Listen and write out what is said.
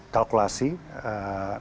kalkulasi nanti pada saatnya